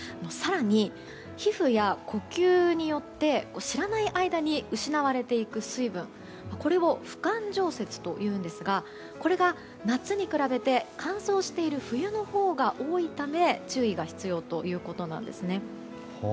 更に、皮膚や呼吸によって知らない間に失われていく水分これを不感蒸泄といいますがこれが夏に比べて乾燥している冬のほうが多いため注意が必要ということなんです。